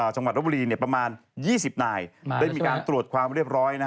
จังหวัดรบบุรีประมาณ๒๐นายได้มีการตรวจความเรียบร้อย